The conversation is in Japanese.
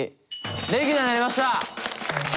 レギュラーになりました！